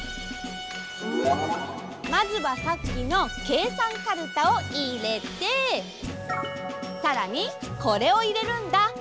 まずはさっきのけいさんカルタをいれてさらにこれをいれるんだ。